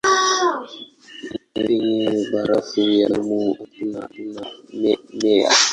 Penye barafu ya kudumu hakuna mimea.